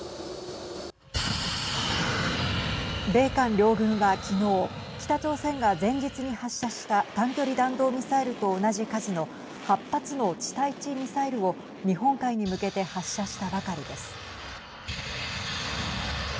米韓両軍は、きのう北朝鮮が前日に発射した短距離弾道ミサイルと同じ数の８発の地対地ミサイルを日本海に向けて発射したばかりです。